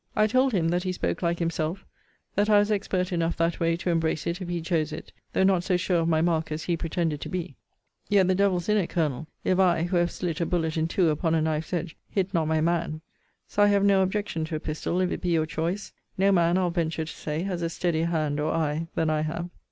I told him, that he spoke like himself; that I was expert enough that way, to embrace it, if he chose it; though not so sure of my mark as he pretended to be. Yet the devil's in it, Colonel, if I, who have slit a bullet in two upon a knife's edge, hit not my man. So I have no objection to a pistol, if it be your choice. No man, I'll venture to say, has a steadier hand or eye than I have.